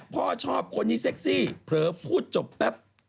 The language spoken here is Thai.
พ่อชอบคนนี้เซ็กซี่เผลอพูดจบแป๊บ